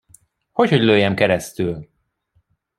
Hogyhogy lőjem keresztül?